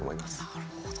なるほど。